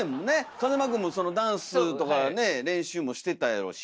風間くんもそのダンスとかね練習もしてたやろうし。